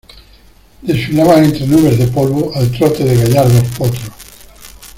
desfilaban entre nubes de polvo, al trote de gallardos potros